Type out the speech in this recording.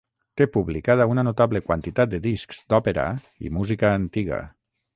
Té publicada una notable quantitat de discs d'òpera i música antiga.